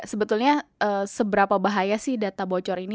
sebetulnya seberapa bahaya sih data bocor ini